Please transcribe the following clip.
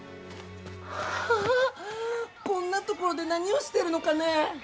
ああっこんな所で何をしてるのかね？